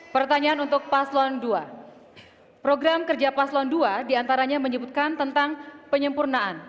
pertanyaan untuk paslon dua program kerja paslon dua diantaranya menyebutkan tentang penyempurnaan